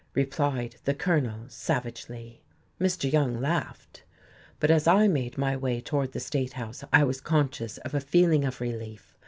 replied the Colonel, savagely. Mr. Young laughed. But as I made my way toward the State House I was conscious of a feeling of relief.